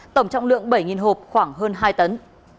tổng trọng lượng bảy hộp khoảng hơn hai tấn